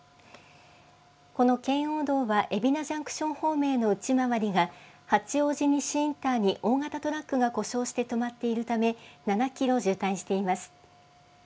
この圏央道は、海老名ジャンクション方面への内回りが、八王子西インターに大型トラックが故障して止まっているため、７キロ渋滞しています。